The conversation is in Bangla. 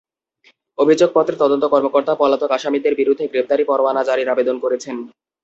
অভিযোগপত্রে তদন্ত কর্মকর্তা পলাতক আসামিদের বিরুদ্ধে গ্রেপ্তারি পরোয়ানা জারির আবেদন করেছেন।